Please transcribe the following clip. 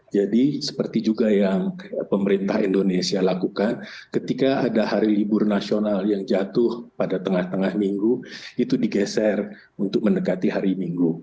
jadi seperti juga yang pemerintah indonesia lakukan ketika ada hari libur nasional yang jatuh pada tengah tengah minggu itu digeser untuk mendekati hari minggu